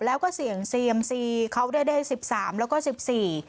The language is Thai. แล้วก็เสี่ยงเซียมซีเขาได้ได้สิบสามแล้วก็สิบสี่